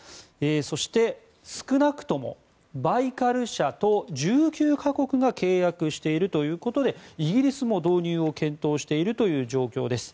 そして、少なくともバイカル社と１９か国が契約しているということでイギリスも導入を検討しているという状況です。